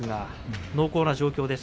濃厚な状況です。